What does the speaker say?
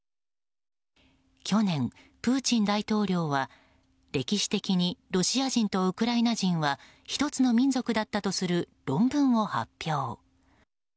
去年、プーチン大統領は歴史的にロシア人とウクライナ人は１つの民族だったとする論文を発表。